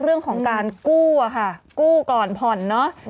เรื่องของการกู้อะค่ะกู้ก่อนผ่อนเนอะ